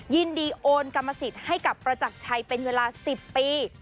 โอนกรรมสิทธิ์ให้กับประจักรชัยเป็นเวลา๑๐ปี